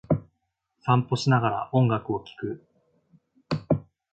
散歩をしながら、音楽を聴く。